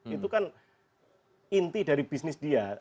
itu kan inti dari bisnis dia